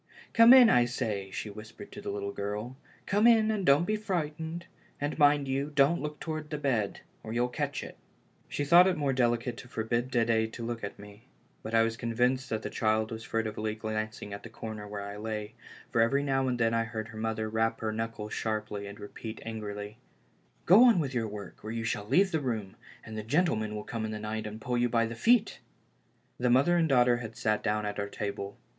"Come in, I say," she Avhispered to the little girl, "come in, and don't be frightened. And, mind you, don't look towards the bed, or you'll catch it." She thought it more delicate to forbid D6d6 to look at me, but I was convinced that the child was furtively glancing at the corner where I lay, for every now and THE LAST HOPE. 253 then I heard her mother rap her knuckles sharply and repeat angrily: "Go on with your work, or you shall leave the room, and the gentleman will come in the night and pull you by the feet." The mother and daughter had sat down at our table.